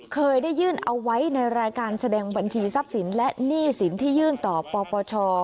เคยได้ยื่นเอาไว้ในรายการแสดงบัญชีทรัพย์สินและหนี้สินที่ยื่นต่อปปช